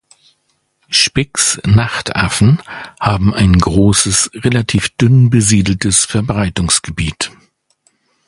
Spix-Nachtaffen haben ein großes, relativ dünn besiedeltes Verbreitungsgebiet.